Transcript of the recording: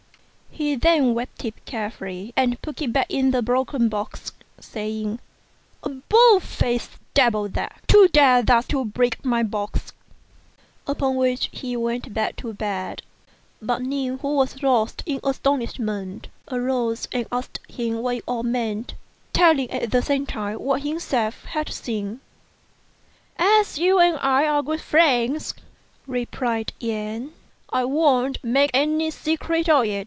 He :hen wrapped it up carefully and put it back in the broken box, saying, "A bold faced devil that, to come so near my box ;" upon which he went back to bed ; but Ning, who was lost in astonishment, arose and asked him what it all meant, telling at the same time what he himself had seen. "As you and I are good friends," replied Yen, "I won't make any secret of it.